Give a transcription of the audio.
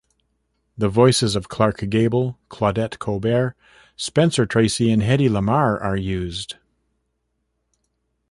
The voices of Clark Gable, Claudette Colbert, Spencer Tracy, and Hedy Lamarr are used.